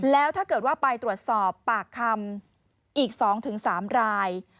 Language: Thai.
แล้วถ้าเกิดว่าไปตรวจสอบปากคำอีก๒๓ราย